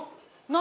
何？